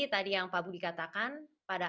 tadi yang pak budi katakan pada